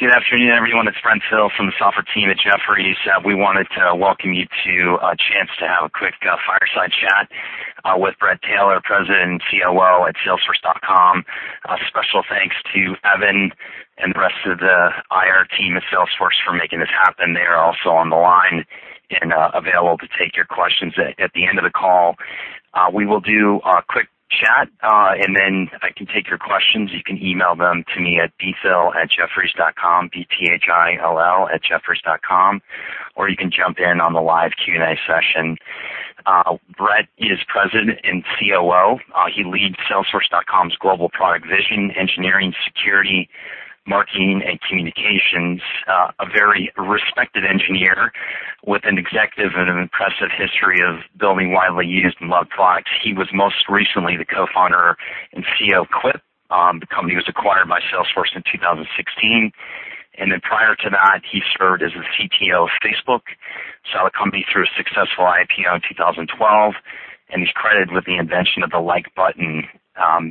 Good afternoon, everyone. It's Brent Thill from the software team at Jefferies. We wanted to welcome you to a chance to have a quick fireside chat with Bret Taylor, President and COO at salesforce.com. A special thanks to Evan and the rest of the IR team at Salesforce for making this happen. They're also on the line and available to take your questions at the end of the call. We will do a quick chat, and then I can take your questions. You can email them to me at bthill@jefferies.com, B-T-H-I-L-L @jefferies.com, or you can jump in on the live Q&A session. Bret is President and COO. He leads salesforce.com's global product vision, engineering, security, marketing, and communications. A very respected engineer with an executive and an impressive history of building widely used and loved products. He was most recently the Co-Founder and CEO of Quip. The company was acquired by Salesforce in 2016. Prior to that, he served as the CTO of Facebook, selling the company through a successful IPO in 2012. He's credited with the invention of the Like button.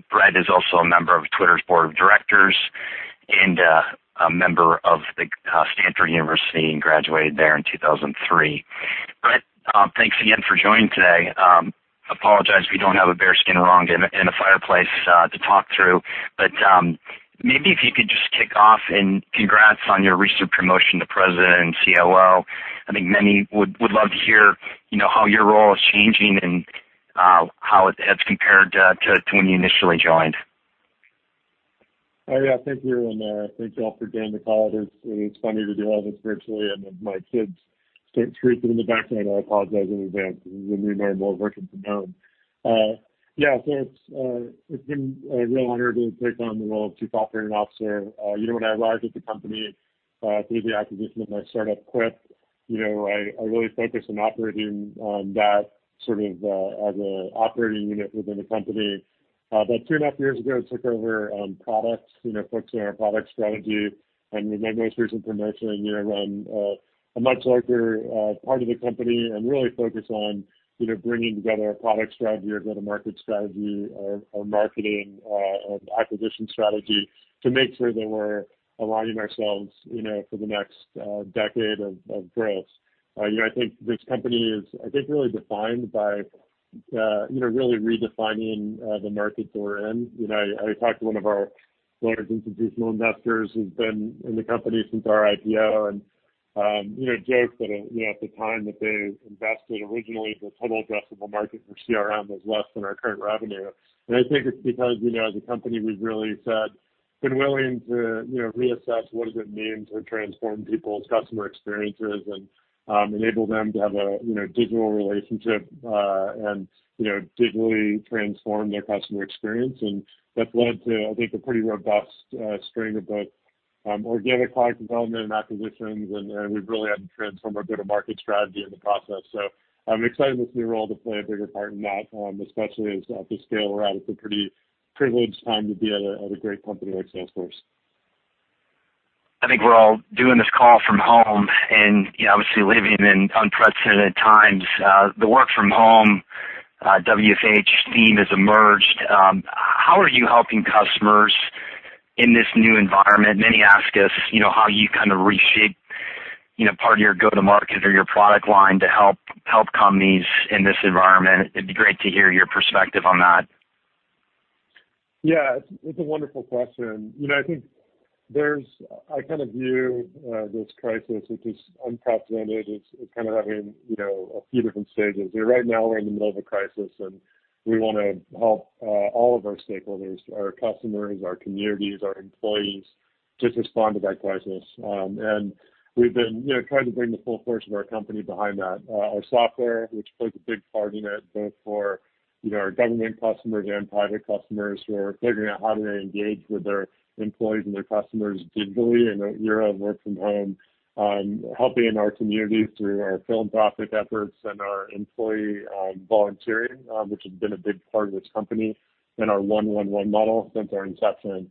Bret is also a member of Twitter's Board of Directors and a member of Stanford University. Graduated there in 2003. Bret, thanks again for joining today. Apologize, we don't have a bearskin rug and a fireplace to talk through. Maybe if you could just kick off. Congrats on your recent promotion to President and COO. I think many would love to hear how your role is changing and how it has compared to when you initially joined. Thank you. Thank you all for joining the call. It is funny to do all this virtually. My kids start shrieking in the background, I apologize in advance. This is the new normal WFH. It's been a real honor to take on the role of Chief Operating Officer. When I arrived at the company, through the acquisition of my startup, Quip, I really focused on operating that sort of as an operating unit within the company. Two and a half years ago, I took over on products, focusing on product strategy, and with my most recent promotion one year ago, a much larger part of the company, and really focus on bringing together a product strategy, a go-to-market strategy, our marketing, and acquisition strategy to make sure that we're aligning ourselves for the next decade of growth. I think this company is really defined by really redefining the markets that we're in. Joked that at the time that they invested originally, the total addressable market for CRM was less than our current revenue. I think it's because, as a company, we've really said, been willing to reassess what does it mean to transform people's customer experiences and enable them to have a digital relationship, and digitally transform their customer experience. That's led to, I think, a pretty robust string of both organic product development and acquisitions, and we've really had to transform our go-to-market strategy in the process. I'm excited with the new role to play a bigger part in that, especially as at the scale we're at, it's a pretty privileged time to be at a great company like Salesforce. I think we're all doing this call from home and obviously living in unprecedented times. The work from home, WFH, theme has emerged. How are you helping customers in this new environment? Many ask us how you kind of reshape part of your go-to-market or your product line to help companies in this environment. It'd be great to hear your perspective on that. Yeah. It's a wonderful question. I kind of view this crisis, which is unprecedented. It's kind of having a few different stages. Right now we're in the middle of a crisis, and we want to help all of our stakeholders, our customers, our communities, our employees, just respond to that crisis. We've been trying to bring the full force of our company behind that. Our software, which plays a big part in it, both for our government customers and private customers who are figuring out how do they engage with their employees and their customers digitally in an era of work from home, helping in our communities through our philanthropic efforts and our employee volunteering, which has been a big part of this company, and our 1-1-1 model since our inception.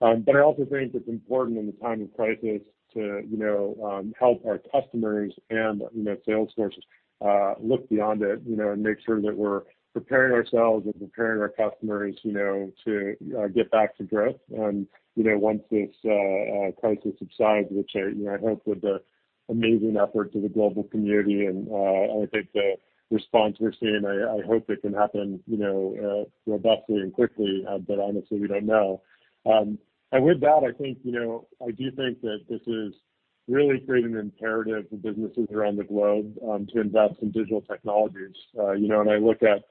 I also think it's important in the time of crisis to help our customers and Salesforce look beyond it, and make sure that we're preparing ourselves and preparing our customers to get back to growth. Once this crisis subsides, which I hope with the amazing efforts of the global community, and I think the response we're seeing, I hope it can happen robustly and quickly, but honestly, we don't know. With that, I do think that this has really created an imperative for businesses around the globe to invest in digital technologies. I look at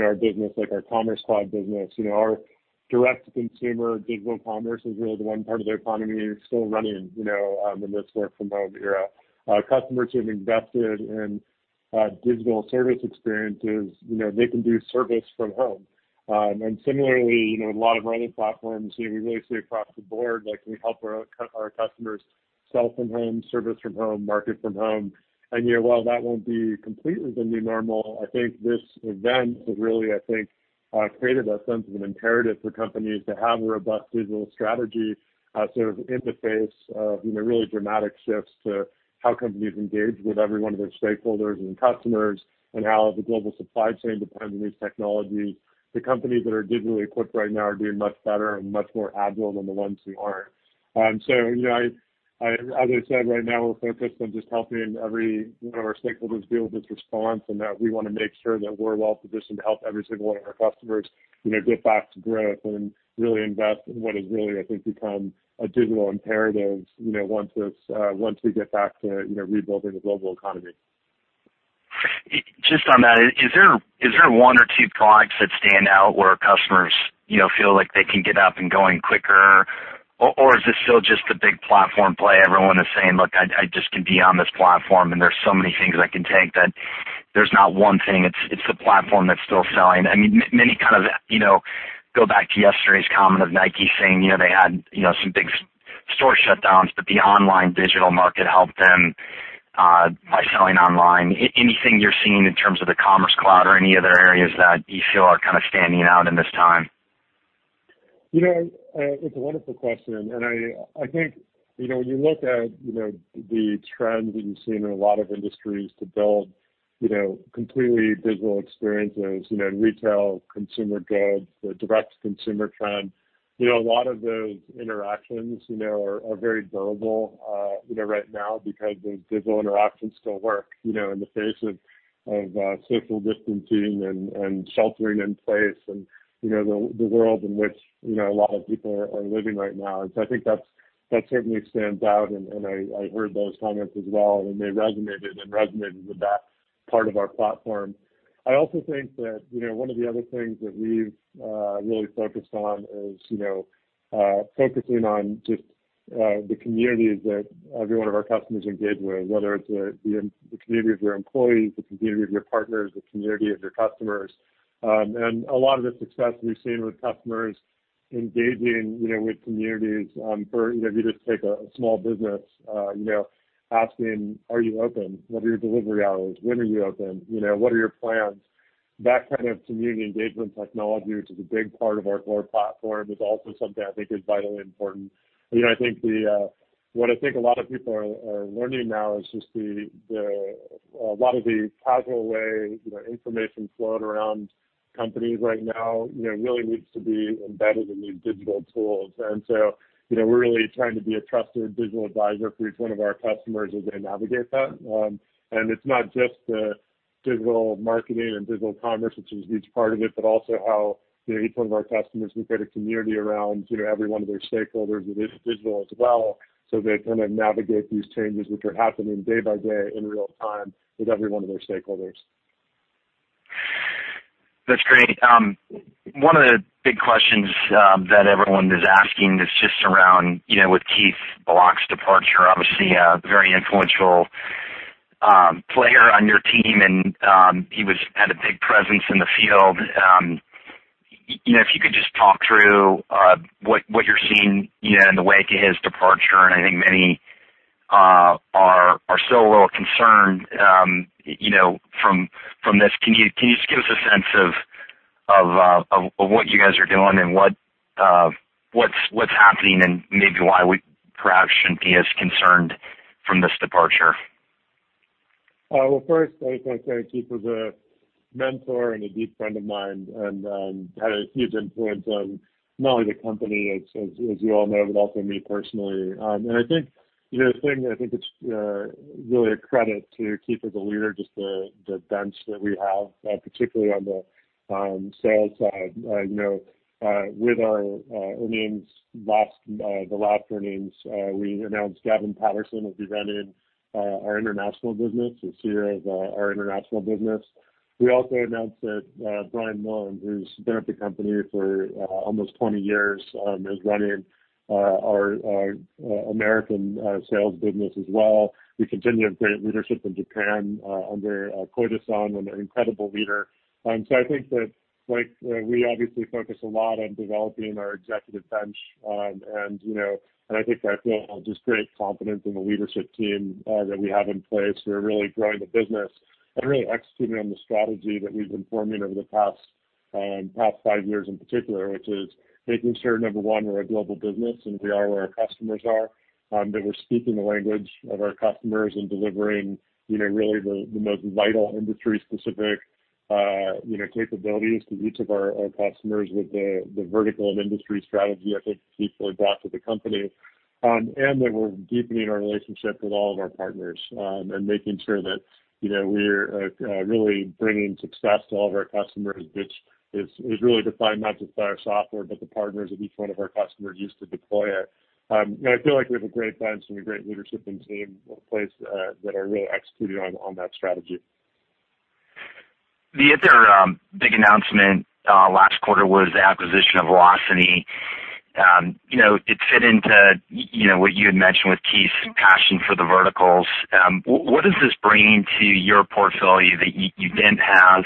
our business, like our Commerce Cloud business. Our direct-to-consumer digital commerce is really the one part of the economy that's still running in this work from home era. Customers who have invested in digital service experiences, they can do service from home. Similarly, a lot of our other platforms, we really see across the board, like we help our customers sell from home, service from home, market from home. Yeah, while that won't be completely the new normal, I think this event has really, I think, created a sense of an imperative for companies to have a robust digital strategy sort of in the face of really dramatic shifts to how companies engage with every one of their stakeholders and customers, and how the global supply chain depends on these technologies. The companies that are digitally equipped right now are doing much better and much more agile than the ones who aren't. As I said, right now we're focused on just helping every one of our stakeholders deal with this response, and that we want to make sure that we're well-positioned to help every single one of our customers get back to growth and really invest in what has really, I think, become a digital imperative once we get back to rebuilding the global economy. Just on that, is there one or two products that stand out where customers feel like they can get up and going quicker? Is this still just the big platform play? Everyone is saying, "Look, I just can be on this platform, and there's so many things I can take that there's not one thing." It's the platform that's still selling. Go back to yesterday's comment of NIKE saying they had some big store shutdowns, but the online digital market helped them by selling online. Anything you're seeing in terms of the Commerce Cloud or any other areas that you feel are standing out in this time? It's a wonderful question, and I think when you look at the trends that you've seen in a lot of industries to build completely digital experiences, retail, consumer goods, the direct-to-consumer trend, a lot of those interactions are very durable right now because those digital interactions still work in the face of social distancing and sheltering in place and the world in which a lot of people are living right now. I think that certainly stands out, and I heard those comments as well, and they resonated with that part of our platform. I also think that one of the other things that we've really focused on is focusing on just the communities that every one of our customers engage with, whether it's the community of your employees, the community of your partners, the community of your customers. A lot of the success we've seen with customers engaging with communities for, if you just take a small business, asking, "Are you open? What are your delivery hours? When are you open? What are your plans?" That kind of community engagement technology, which is a big part of our core platform, is also something I think is vitally important. What I think a lot of people are learning now is just a lot of the casual way information flowed around companies right now really needs to be embedded in these digital tools. We're really trying to be a trusted digital advisor for each one of our customers as they navigate that. It's not just the digital marketing and digital commerce, which is a huge part of it, but also how each one of our customers, we create a community around every one of their stakeholders that is digital as well, so they kind of navigate these changes which are happening day by day in real time with every one of their stakeholders. That's great. One of the big questions that everyone is asking is just around with Keith Block's departure, obviously a very influential player on your team, and he had a big presence in the field. If you could just talk through what you're seeing in the wake of his departure, and I think many are still a little concerned from this. Can you just give us a sense of what you guys are doing and what's happening and maybe why we perhaps shouldn't be as concerned from this departure? Well, first, I just want to say Keith Block was a mentor and a deep friend of mine and had a huge influence on not only the company, as you all know, but also me personally. I think the thing that I think it's really a credit to Keith Block as a leader, just the bench that we have, particularly on the sales side. With our announcements the last earnings, we announced Gavin Patterson will be running our international business, as CEO of our International business. We also announced that Brian Millham, who has been at the company for almost 20 years, is running our American sales business as well. We continue to have great leadership in Japan under Koide-san, an incredible leader. I think that we obviously focus a lot on developing our executive bench, and I think I feel just great confidence in the leadership team that we have in place. We're really growing the business and really executing on the strategy that we've been forming over the past five years in particular, which is making sure, number one, we're a global business, and we are where our customers are, that we're speaking the language of our customers and delivering really the most vital industry-specific capabilities to each of our customers with the vertical and industry strategy I think Keith really brought to the company. That we're deepening our relationship with all of our partners, and making sure that we're really bringing success to all of our customers, which is really defined not just by our software, but the partners that each one of our customers use to deploy it. I feel like we have a great bench and a great leadership team in place that are really executing on that strategy. The other big announcement last quarter was the acquisition of Vlocity. It fit into what you had mentioned with Keith's passion for the verticals. What is this bringing to your portfolio that you didn't have?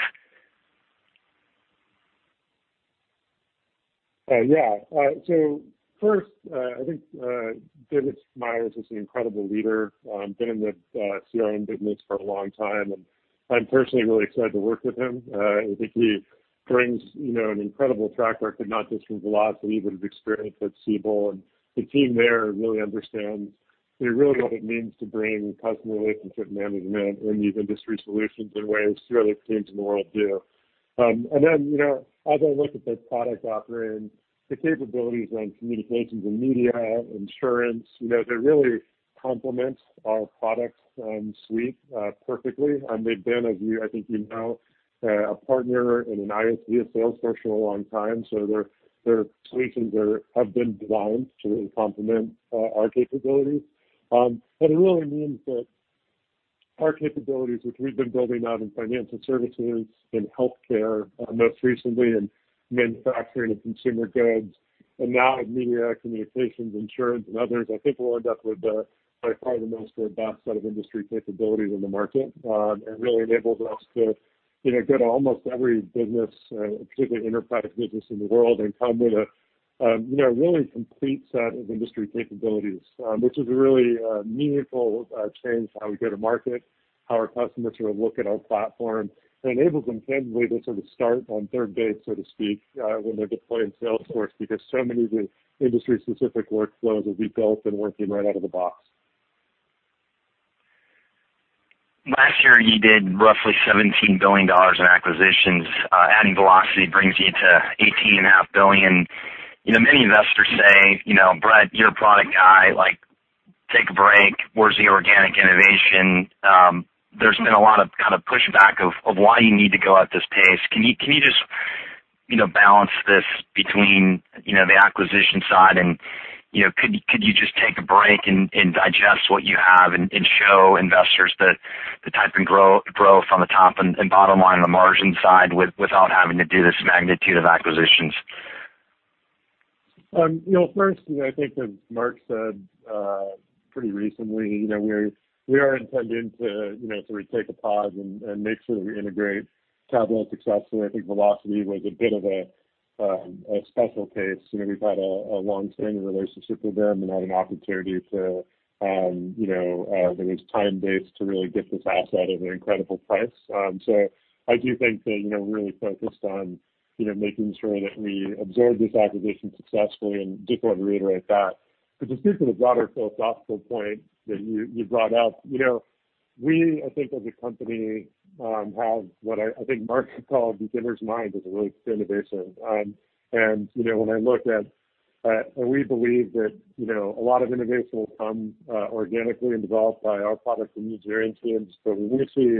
First, I think David Schmaier is an incredible leader, been in the CRM business for a long time, and I'm personally really excited to work with him. I think he brings an incredible track record, not just from Vlocity, but his experience at Siebel, and the team there really understands really what it means to bring customer relationship management and these industry solutions in ways few other teams in the world do. As I look at the product offerings, the capabilities around communications and media, insurance, they really complement our product suite perfectly. They've been, as I think you know, a partner and an ISV of Salesforce for a long time, so their solutions have been designed to really complement our capabilities. It really means that our capabilities, which we've been building out in financial services, in healthcare, most recently in manufacturing and consumer goods, and now in media, communications, insurance and others, I think we'll end up with probably the most robust set of industry capabilities in the market. Really enables us to get almost every business, particularly enterprise business in the world, and come with a really complete set of industry capabilities. Which is a really meaningful change to how we go to market, how our customers look at our platform, and enables them, candidly, to sort of start on third base, so to speak, when they're deploying Salesforce, because so many of the industry-specific workflows will be built and working right out of the box. Last year, you did roughly $17 billion in acquisitions. Adding Vlocity brings you to $18.5 billion. Many investors say, "Bret, you're a product guy, take a break. Where's the organic innovation?" There's been a lot of kind of pushback of why you need to go at this pace. Can you just balance this between the acquisition side and could you just take a break and digest what you have, and show investors the type of growth on the top and bottom line on the margin side without having to do this magnitude of acquisitions? First, I think as Marc said, pretty recently, we are intending to take a pause and make sure that we integrate Tableau successfully. I think Vlocity was a bit of a special case. We've had a longstanding relationship with them and had an opportunity that was time-based to really get this asset at an incredible price. I do think that we're really focused on making sure that we absorb this acquisition successfully, and just want to reiterate that. To speak to the broader philosophical point that you brought up, we, I think as a company, have what I think Marc would call beginner's mind as it relates to innovation. We believe that a lot of innovation will come organically and developed by our product and engineering teams. When we see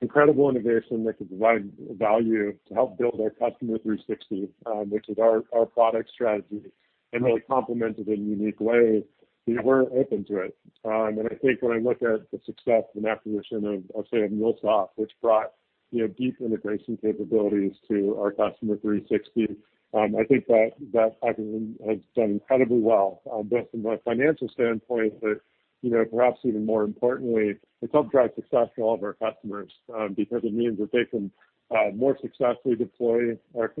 incredible innovation that could provide value to help build our Customer 360, which is our product strategy, and really complement it in a unique way, we're open to it. I think when I look at the success and acquisition of, I'll say of MuleSoft, which brought deep integration capabilities to our Customer 360, I think that acquisition has done incredibly well, both from a financial standpoint, but, perhaps even more importantly, it's helped drive success for all of our customers, because it means that they can more successfully deploy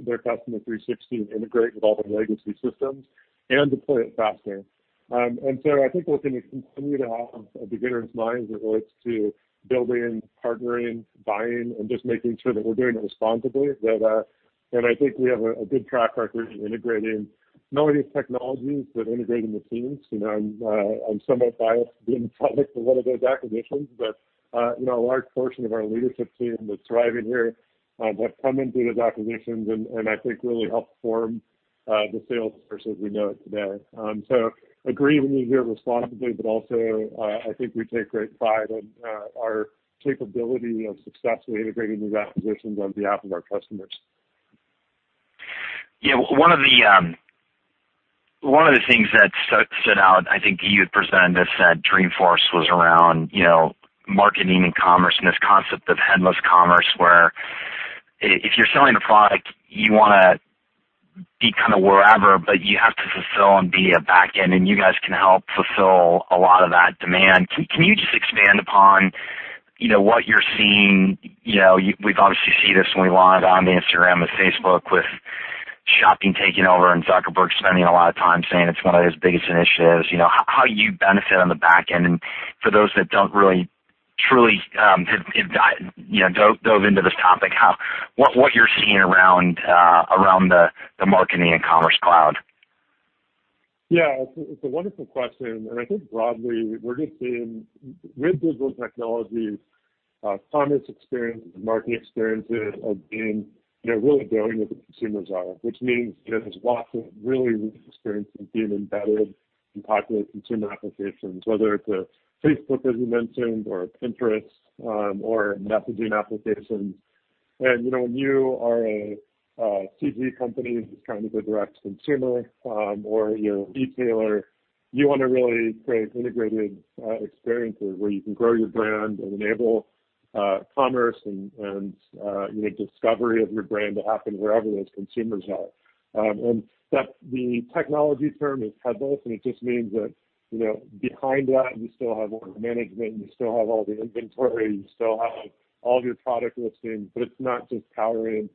their Customer 360 and integrate with all the legacy systems and deploy it faster. I think we're going to continue to have a beginner's mind as it relates to building, partnering, buying, and just making sure that we're doing it responsibly. I think we have a good track record of integrating not only these technologies, but integrating the teams. I'm somewhat biased being product of one of those acquisitions, but a large portion of our leadership team that's thriving here, have come in through those acquisitions and I think really helped form the Salesforce as we know it today. Agree with you there responsibly, but also, I think we take great pride in our capability of successfully integrating these acquisitions on behalf of our customers. Yeah. One of the things that stood out, I think you had presented this at Dreamforce, was around marketing and commerce and this concept of headless commerce where if you're selling a product, you want to be kind of wherever, but you have to fulfill and be a backend, and you guys can help fulfill a lot of that demand. Can you just expand upon what you're seeing? We've obviously seen this when we went live on Instagram with Facebook, with shopping taking over and Zuckerberg spending a lot of time saying it's one of his biggest initiatives. How you benefit on the backend and for those that don't really, truly dove into this topic, what you're seeing around the Marketing Cloud and Commerce Cloud? Yeah. It's a wonderful question. I think broadly, we're just seeing with digital technologies, commerce experiences and marketing experiences are really going where the consumers are, which means there's lots of really rich experiences being embedded in popular consumer applications, whether it's a Facebook, as you mentioned, or a Pinterest, or messaging applications. When you are a CPG company, which is kind of the direct consumer, or you're a retailer, you want to really create integrated experiences where you can grow your brand and enable commerce and discovery of your brand to happen wherever those consumers are. That the technology term is headless, and it just means that behind that, you still have order management, you still have all the inventory, you still have all of your product listings, but it's not just powering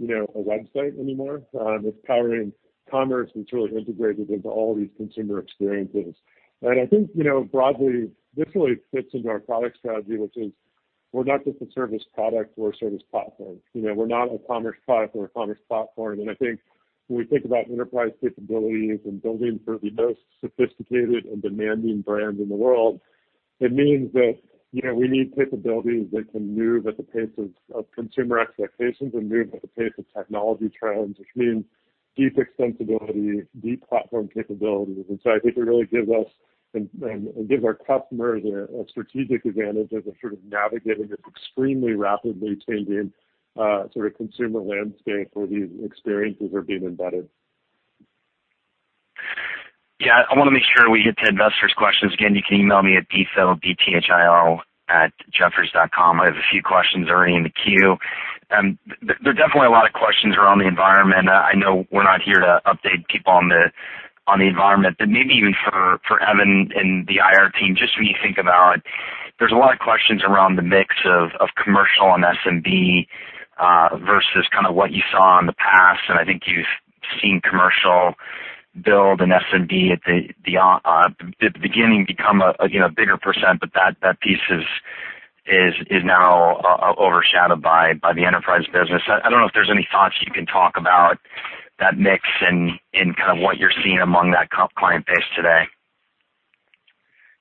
a website anymore. It's powering commerce that's really integrated into all these consumer experiences. I think, broadly, this really fits into our product strategy, which is we're not just a service product or a service platform. We're not a commerce product or a commerce platform. I think when we think about enterprise capabilities and building for the most sophisticated and demanding brands in the world. It means that we need capabilities that can move at the pace of consumer expectations and move at the pace of technology trends, which means deep extensibility, deep platform capabilities. I think it really gives us and gives our customers a strategic advantage as they're sort of navigating this extremely rapidly changing sort of consumer landscape where these experiences are being embedded. Yeah. I want to make sure we get to investors' questions. You can email me at bthill, B-T-H-I-L-L, @jefferies.com. I have a few questions already in the queue. There are definitely a lot of questions around the environment. I know we're not here to update people on the environment, but maybe even for Evan and the IR team, just when you think about, there's a lot of questions around the mix of commercial and SMB, versus what you saw in the past, and I think you've seen commercial build and SMB at the beginning become a bigger percent, but that piece is now overshadowed by the enterprise business. I don't know if there's any thoughts you can talk about that mix and kind of what you're seeing among that client base today.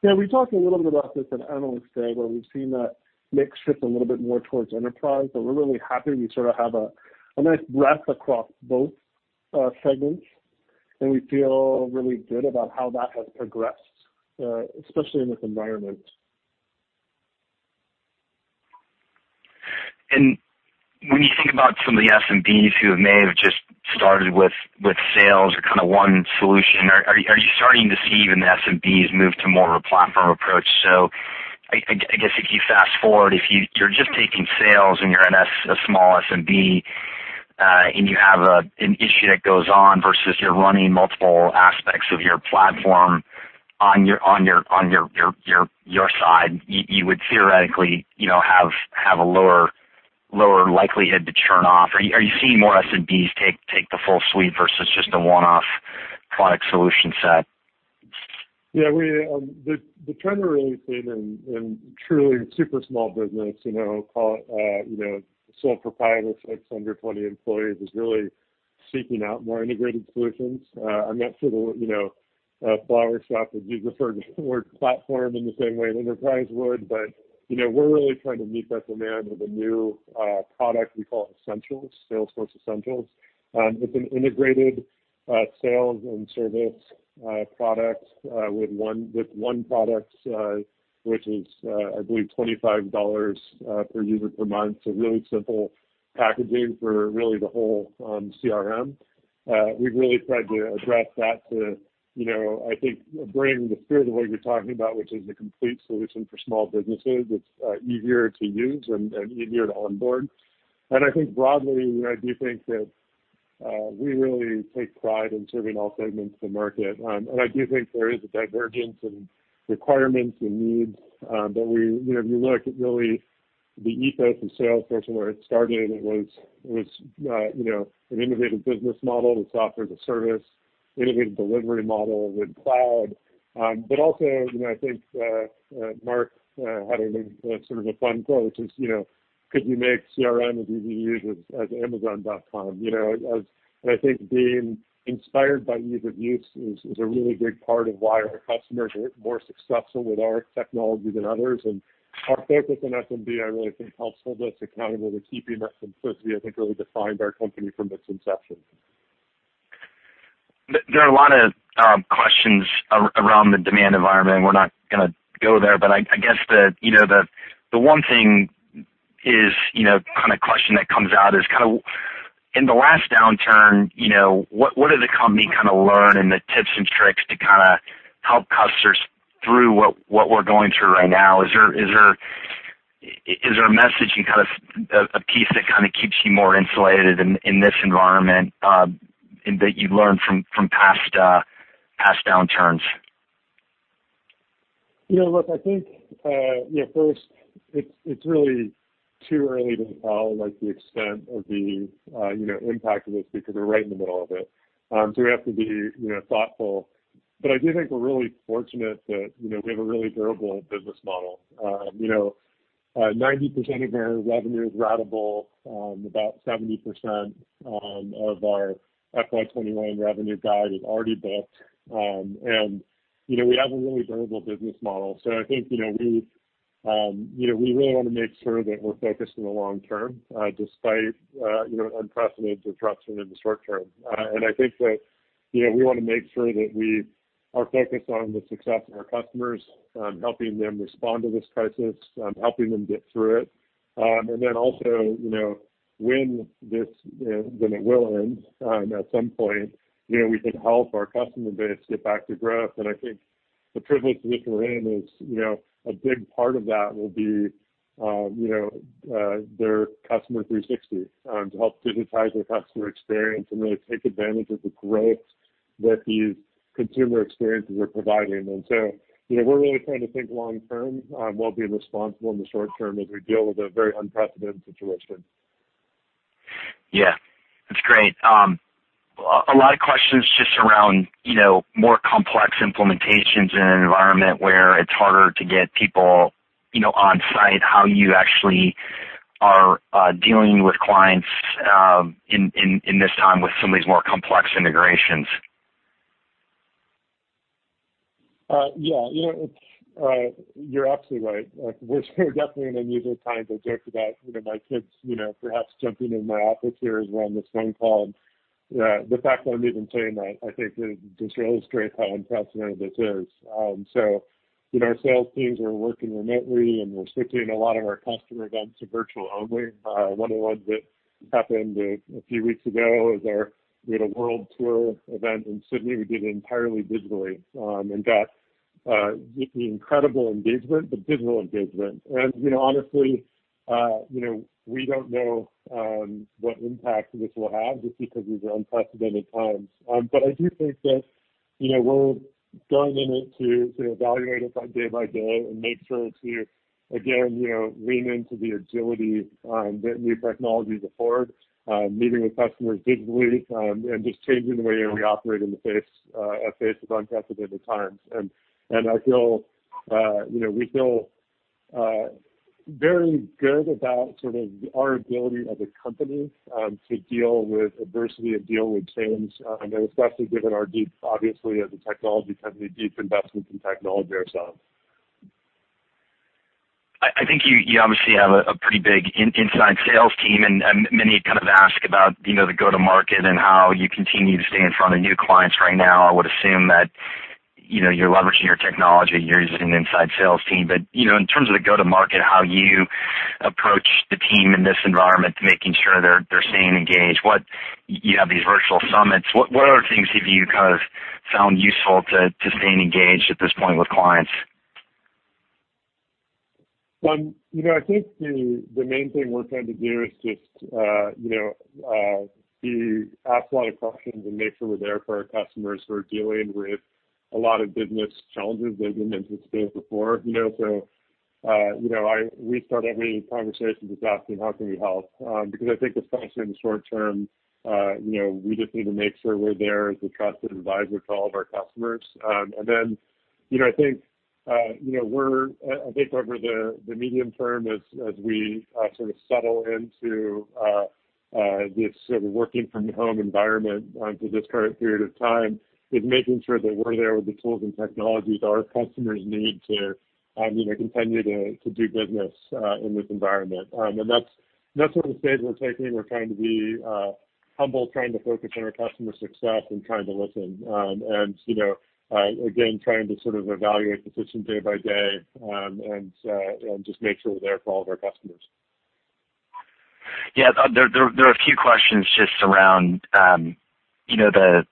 Yeah, we talked a little bit about this at Analyst Day, where we've seen that mix shift a little bit more towards enterprise, but we're really happy we sort of have a nice breadth across both segments, and we feel really good about how that has progressed, especially in this environment. When you think about some of the SMBs who may have just started with Sales or kind of one solution, are you starting to see even the SMBs move to more of a platform approach? I guess if you fast-forward, if you're just taking Sales and you're a small SMB, and you have an issue that goes on versus you're running multiple aspects of your platform on your side, you would theoretically have a lower likelihood to churn off. Are you seeing more SMBs take the full suite versus just a one-off product solution set? Yeah. The trend we're really seeing in truly super small business, sole proprietors, like under 20 employees, is really seeking out more integrated solutions. I'm not sure the flower shop would use the word platform in the same way an enterprise would, but we're really trying to meet that demand with a new product we call Essentials, Salesforce Essentials. It's an integrated sales and service product with one product, which is, I believe, $25 per user per month. Really simple packaging for really the whole CRM. We've really tried to address that to, I think, bring the spirit of what you're talking about, which is a complete solution for small businesses. It's easier to use and easier to onboard. I think broadly, I do think that we really take pride in serving all segments of the market. I do think there is a divergence in requirements and needs. If you look at really the ethos of Salesforce and where it started, it was an innovative business model with software as a service, innovative delivery model with cloud. Also, I think, Marc had a sort of a fun quote, which is, could we make CRM as easy to use as amazon.com? I think being inspired by ease of use is a really big part of why our customers are more successful with our technology than others. Our focus on SMB, I really think, holds us accountable to keeping that simplicity I think really defined our company from its inception. There are a lot of questions around the demand environment. We're not going to go there. I guess the one thing is, kind of question that comes out is, in the last downturn, what did the company learn and the tips and tricks to help customers through what we're going through right now? Is there a message and a piece that kind of keeps you more insulated in this environment, and that you've learned from past downturns? Look, I think, first, it's really too early to tell, like, the extent of the impact of this because we're right in the middle of it. We have to be thoughtful. I do think we're really fortunate that we have a really durable business model. 90% of our revenue is ratable. About 70% of our FY 2021 revenue guide is already booked. We have a really durable business model. I think, we really want to make sure that we're focused on the long term, despite unprecedented disruption in the short term. I think that we want to make sure that we are focused on the success of our customers, helping them respond to this crisis, helping them get through it. Also, when it will end at some point, we can help our customer base get back to growth. I think the privilege position we're in is a big part of that will be their Customer 360 to help digitize their customer experience and really take advantage of the growth that these consumer experiences are providing. We're really trying to think long term, while being responsible in the short term as we deal with a very unprecedented situation. Yeah. That's great. A lot of questions just around more complex implementations in an environment where it's harder to get people on-site, how you actually are dealing with clients in this time with some of these more complex integrations. Yeah. You're absolutely right. We're definitely in unusual times. I joked about my kids perhaps jumping in my office here as we're on this phone call, and the fact that I'm even saying that, I think just illustrates how unprecedented this is. Our sales teams are working remotely, and we're switching a lot of our customer events to virtual only. One of the ones that happened a few weeks ago is our World Tour event in Sydney we did entirely digitally, and got incredible engagement, but digital engagement. Honestly, we don't know what impact this will have just because these are unprecedented times. I do think that we're going in it to evaluate it day by day and make sure to, again, lean into the agility that new technologies afford, meeting with customers digitally, and just changing the way we operate in the face of unprecedented times. We feel very good about sort of our ability as a company to deal with adversity and deal with change, especially given our deep, obviously, as a technology company, deep investment in technology ourselves. I think you obviously have a pretty big inside sales team, and many kind of ask about the go to market and how you continue to stay in front of new clients right now. I would assume that you're leveraging your technology, you're using an inside sales team. In terms of the go to market, how you approach the team in this environment, making sure they're staying engaged, you have these virtual summits. What other things have you kind of found useful to staying engaged at this point with clients? I think the main thing we're trying to do is just to ask a lot of questions and make sure we're there for our customers who are dealing with a lot of business challenges they've never faced before. We start every conversation just asking, "How can we help?" I think especially in the short term, we just need to make sure we're there as a trusted advisor to all of our customers. I think over the medium term, as we sort of settle into this sort of working from home environment through this current period of time, is making sure that we're there with the tools and technologies our customers need to continue to do business in this environment. That's sort of the stage we're taking. We're trying to be humble, trying to focus on our customer success, and trying to listen. Again, trying to sort of evaluate the system day by day, and just make sure we're there for all of our customers. Yeah. There are a few questions just around the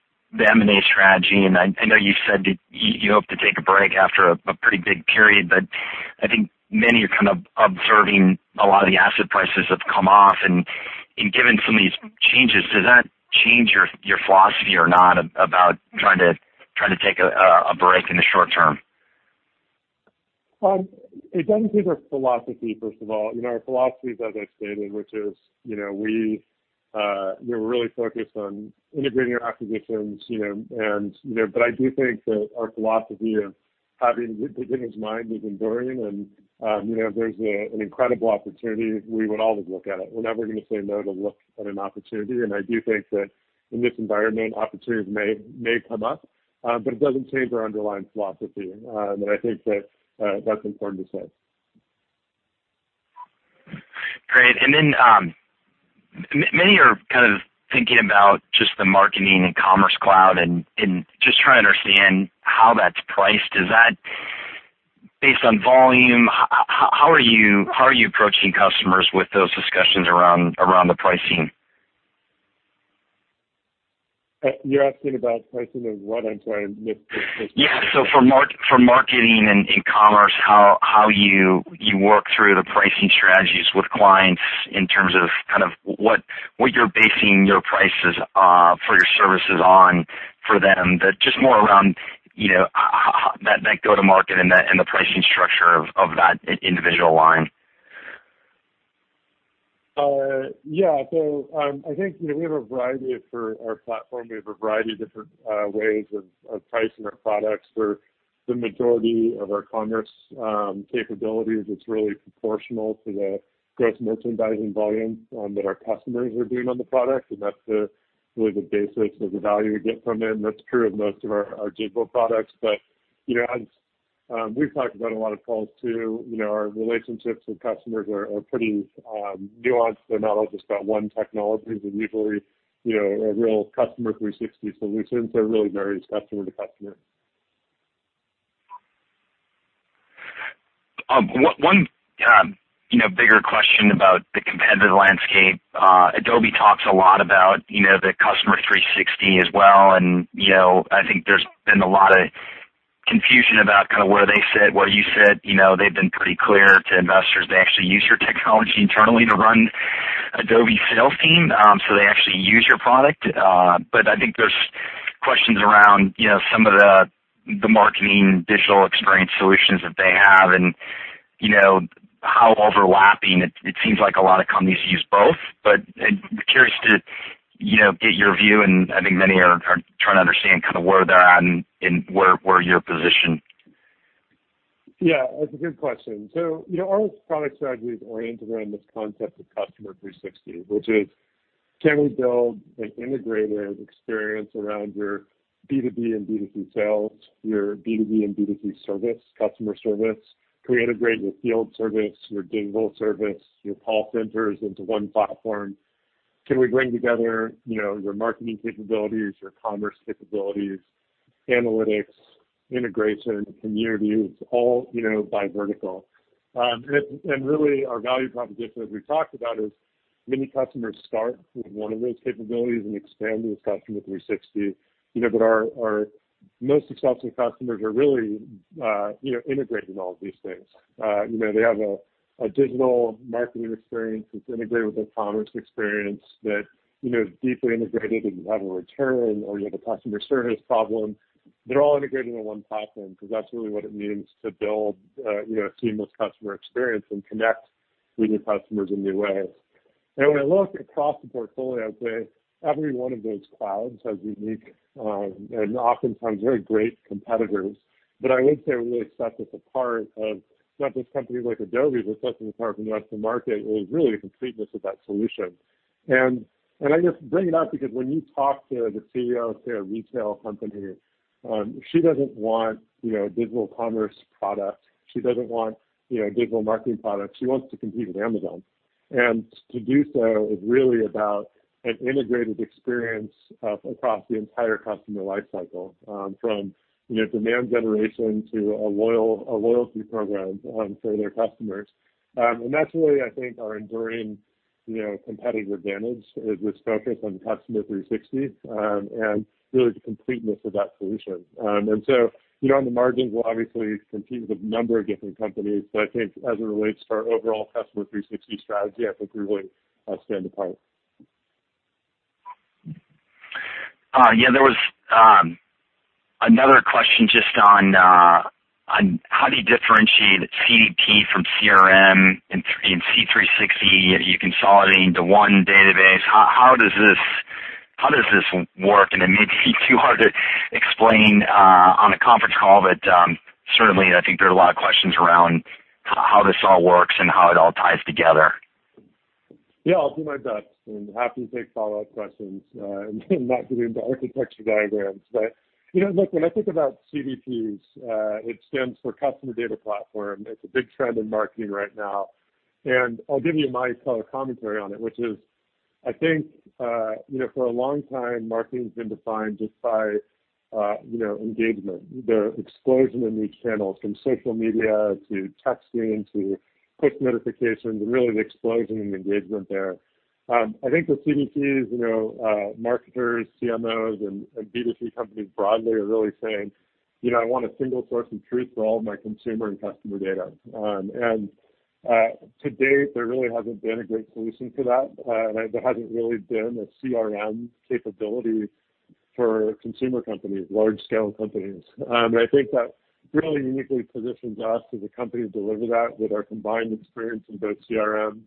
M&A strategy, and I know you said that you hope to take a break after a pretty big period, but I think many are kind of observing a lot of the asset prices have come off, and given some of these changes, does that change your philosophy or not about trying to take a break in the short term? It doesn't change our philosophy, first of all. Our philosophy is as I stated, which is we're really focused on integrating our acquisitions, but I do think that our philosophy of having the M&A mind is enduring, and if there's an incredible opportunity, we would always look at it. We're never going to say no to look at an opportunity, and I do think that in this environment, opportunities may come up. It doesn't change our underlying philosophy, and I think that's important to say. Great. Then, many are kind of thinking about just the Marketing Cloud and Commerce Cloud and just trying to understand how that's priced. Is that based on volume? How are you approaching customers with those discussions around the pricing? You're asking about pricing of what? I'm sorry, I missed the first part. Yeah. For marketing and commerce, how you work through the pricing strategies with clients in terms of kind of what you're basing your prices for your services on for them, but just more around that go to market and the pricing structure of that individual line. Yeah. I think for our platform, we have a variety of different ways of pricing our products. For the majority of our commerce capabilities, it's really proportional to the gross merchandise volume that our customers are doing on the product, and that's really the basis of the value you get from it, and that's true of most of our Salesforce products. As we've talked about on a lot of calls, too, our relationships with customers are pretty nuanced. They're not all just about one technology. We've already a real Customer 360 solutions that really varies customer to customer. One bigger question about the competitive landscape. Adobe talks a lot about the Customer 360 as well, and I think there's been a lot of confusion about kind of where they sit, where you sit. They've been pretty clear to investors they actually use your technology internally to run Adobe sales team. They actually use your product. I think there's questions around some of the marketing digital experience solutions that they have, and how overlapping. It seems like a lot of companies use both, but I'd be curious to get your view, and I think many are trying to understand kind of where they're at and where your position. That's a good question. Our product strategy is oriented around this concept of Customer 360, which is can we build an integrated experience around your B2B and B2C sales, your B2B and B2C service, customer service? Can we integrate your field service, your digital service, your call centers into one platform? Can we bring together your marketing capabilities, your commerce capabilities, analytics, integration, community? It's all by vertical. Really our value proposition, as we talked about, is many customers start with one of those capabilities and expand to this Customer 360. Our most successful customers are really integrating all of these things. They have a digital marketing experience that's integrated with a commerce experience that's deeply integrated if you have a return or you have a customer service problem. They're all integrated into one platform, because that's really what it means to build a seamless customer experience and connect with your customers in new ways. When I look across the portfolio, I would say every one of those clouds has unique, and oftentimes very great competitors. I would say what really sets us apart of, not just companies like Adobe, but sets us apart from the rest of the market, is really the completeness of that solution. I just bring it up because when you talk to the CEO of a retail company, she doesn't want digital commerce product. She doesn't want digital marketing product. She wants to compete with Amazon. To do so is really about an integrated experience across the entire customer life cycle, from demand generation to a loyalty program for their customers. That's really, I think, our enduring competitive advantage is this focus on Customer 360, and really the completeness of that solution. On the margins, we'll obviously compete with a number of different companies, but I think as it relates to our overall Customer 360 strategy, I think we really stand apart. Yeah, there was another question just on how do you differentiate CDP from CRM in Customer 360? Are you consolidating to one database? How does this work? It may be too hard to explain on a conference call, but certainly I think there are a lot of questions around how this all works and how it all ties together. I'll do my best, happy to take follow-up questions, not get into architecture diagrams. Look, when I think about CDPs, it stands for customer data platform. It's a big trend in marketing right now. I'll give you my commentary on it, which is, I think for a long time, marketing's been defined just by engagement. The explosion in these channels from social media to texting to push notifications, really the explosion in engagement there. I think with CDPs, marketers, CMOs and B2C companies broadly are really saying, "I want a single source of truth for all of my consumer and customer data." To date, there really hasn't been a great solution for that. There hasn't really been a CRM capability for consumer companies, large scale companies. I think that really uniquely positions us as a company to deliver that with our combined experience in both CRM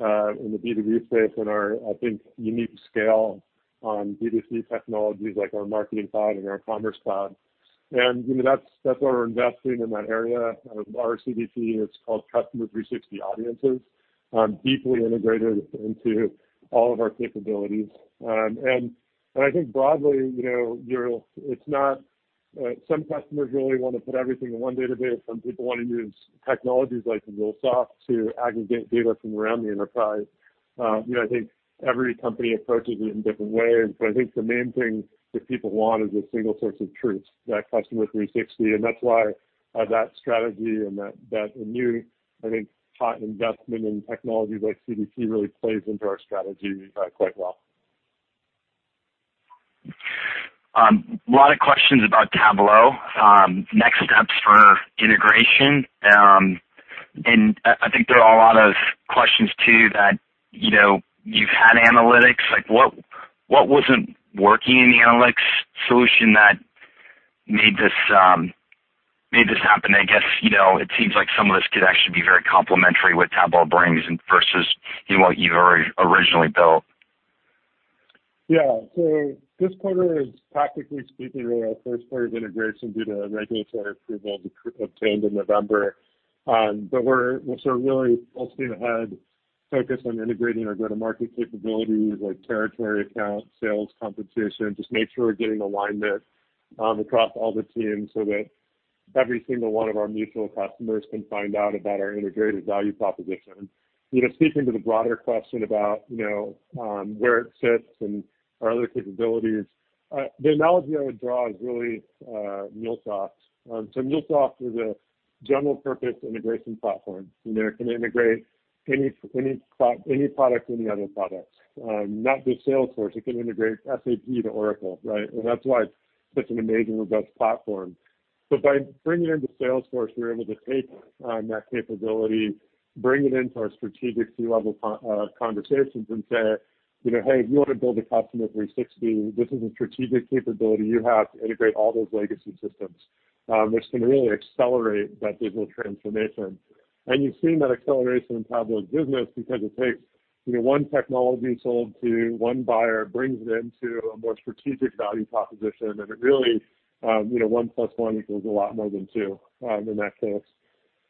in the B2B space and our, I think, unique scale on B2C technologies like our Marketing Cloud and our Commerce Cloud. That's why we're investing in that area. Our CDP is called Customer 360 Audiences, deeply integrated into all of our capabilities. I think broadly, some customers really want to put everything in one database. Some people want to use technologies like MuleSoft to aggregate data from around the enterprise. I think every company approaches it in different ways, but I think the main thing that people want is a single source of truth, that Customer 360. That's why that strategy and that new, I think, hot investment in technology like CDP really plays into our strategy quite well. A lot of questions about Tableau. Next steps for integration. I think there are a lot of questions, too, that you've had analytics. What wasn't working in the analytics solution that made this happen? I guess it seems like some of this could actually be very complementary what Tableau brings versus what you've originally built. Yeah. This quarter is practically speaking, really our first quarter of integration due to regulatory approval obtained in November. We're sort of really busting ahead, focused on integrating our go-to-market capabilities like territory accounts, sales competition, just make sure we're getting alignment across all the teams so that every single one of our mutual customers can find out about our integrated value proposition. Speaking to the broader question about where it sits and our other capabilities, the analogy I would draw is really MuleSoft. MuleSoft is a general purpose integration platform. It can integrate any product, any other product. Not just Salesforce. It can integrate SAP to Oracle, right? That's why it's such an amazing, robust platform. By bringing into Salesforce, we were able to take that capability, bring it into our strategic C-level conversations and say, "Hey, if you want to build a Customer 360, this is a strategic capability you have to integrate all those legacy systems," which can really accelerate that digital transformation. You've seen that acceleration in Tableau's business because it takes one technology sold to one buyer, brings it into a more strategic value proposition, and it really, one plus one equals a lot more than two in that case.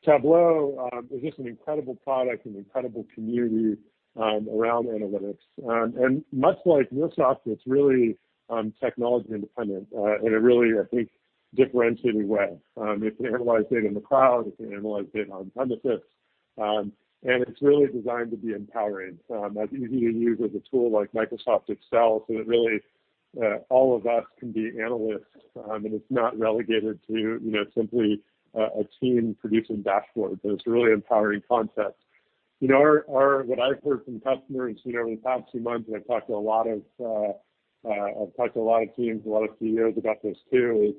Tableau is just an incredible product and incredible community around analytics. Much like MuleSoft, it's really technology independent, in a really, I think, differentiated way. It can analyze data in the cloud, it can analyze data on-premises, and it's really designed to be empowering. As easy to use as a tool like Microsoft Excel, that really, all of us can be analysts, and it's not relegated to simply a team producing dashboards, but it's a really empowering concept. What I've heard from customers over the past few months, I've talked to a lot of teams, a lot of CEOs about this too, is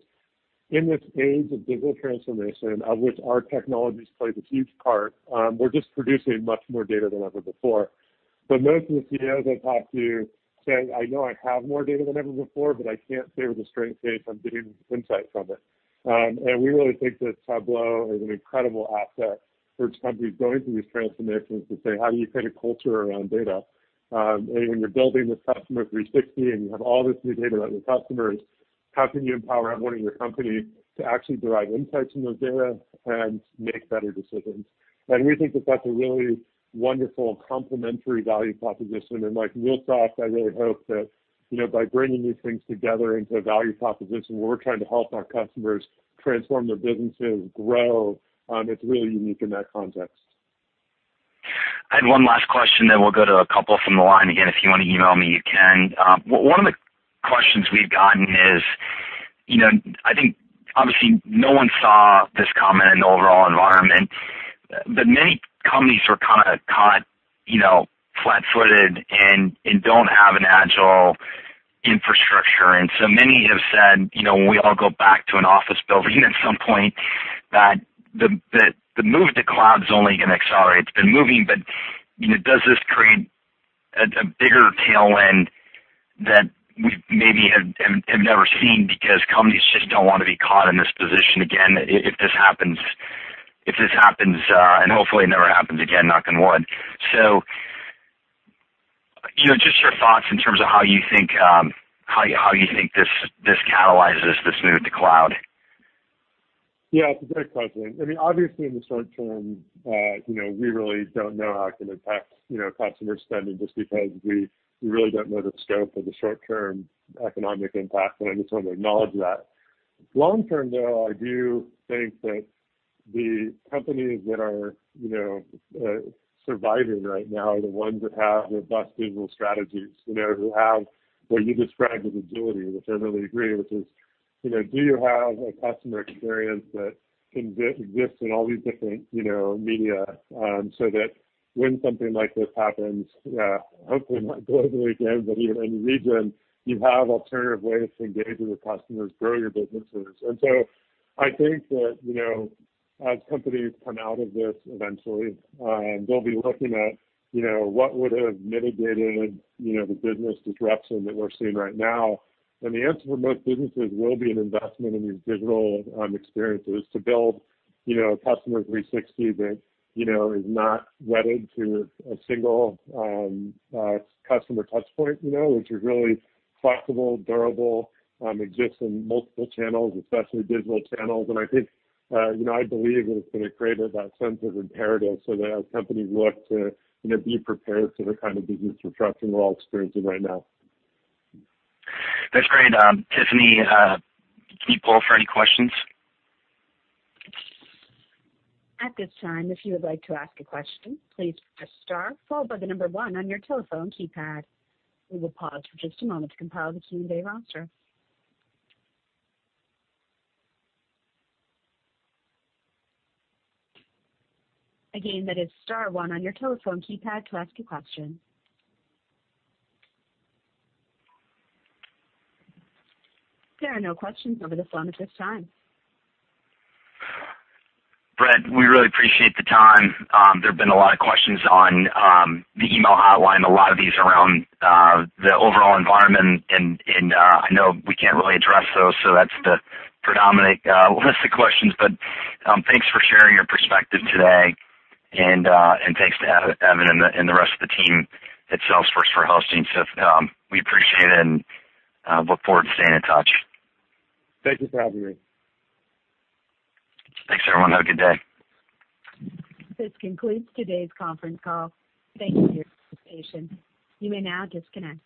in this age of digital transformation, of which our technologies play this huge part, we're just producing much more data than ever before. Most of the CEOs I've talked to say, "I know I have more data than ever before, but I can't say with a straight face I'm getting insight from it." We really think that Tableau is an incredible asset for companies going through these transformations to say, how do you create a culture around data? When you're building this Customer 360 and you have all this new data about your customers, how can you empower everyone in your company to actually derive insights from those data and make better decisions? We think that that's a really wonderful complementary value proposition. Like MuleSoft, I really hope that by bringing these things together into a value proposition where we're trying to help our customers transform their businesses, grow, it's really unique in that context. I had one last question, then we'll go to a couple from the line. Again, if you want to email me, you can. One of the questions we've gotten is, I think obviously no one saw this coming in the overall environment, but many companies were kind of caught flat-footed and don't have an agile infrastructure in. Many have said, when we all go back to an office building at some point that the move to cloud is only going to accelerate. It's been moving, but does this create a bigger tailwind that we maybe have never seen because companies just don't want to be caught in this position again, if this happens, and hopefully it never happens again, knock on wood. Just your thoughts in terms of how you think this catalyzes this move to cloud. In the short term, we really don't know how it can impact customer spending just because we really don't know the scope of the short-term economic impact, and I just want to acknowledge that. Long term, though, I do think that the companies that are surviving right now are the ones that have robust digital strategies, who have what you described as agility, which I really agree, which is, do you have a customer experience that can exist in all these different media, so that when something like this happens, hopefully not globally again, but even in region, you have alternative ways to engage with your customers, grow your businesses. I think that as companies come out of this eventually, they'll be looking at what would have mitigated the business disruption that we're seeing right now. The answer for most businesses will be an investment in these digital experiences to build Customer 360 that is not wedded to a single customer touch point, which is really flexible, durable, exists in multiple channels, especially digital channels. I believe that it's going to create that sense of imperative so that companies look to be prepared for the kind of business interruption we're all experiencing right now. That's great. Tiffany, can you poll for any questions? At this time, if you would like to ask a question, please press star followed by the number one on your telephone keypad. We will pause for just a moment to compile the queue and raise your hand. Again, that is star one on your telephone keypad to ask a question. There are no questions over the phone at this time. Bret, we really appreciate the time. There have been a lot of questions on the email hotline, a lot of these around the overall environment, and I know we can't really address those, so that's the predominant list of questions. Thanks for sharing your perspective today and thanks to Evan and the rest of the team at Salesforce for hosting. We appreciate it and look forward to staying in touch. Thank you for having me. Thanks, everyone. Have a good day. This concludes today's conference call. Thank you for your participation. You may now disconnect.